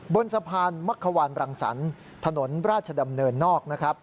บนทรภารมะควรรังสันถนนราชดำเนินนอก